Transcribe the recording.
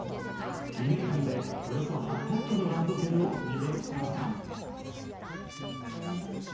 ２年間でおよそ８００個のランドセルをリメイクしました。